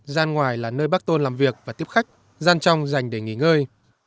gian ngoài là nơi bác tôn làm việc và tiếp khách gian trong dành để nghỉ ngơi